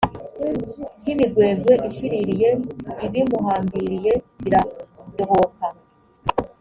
nk imigwegwe ishiririye ibimuhambiriye biradohoka